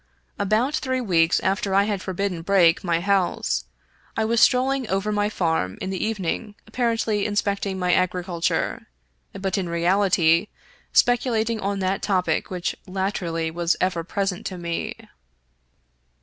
About three weeks after I had forbidden Brake my house, I was strolling over my farm in the evening appar ently inspecting my agriculture, but in reality speculating on that topic which latterly was ever present to me.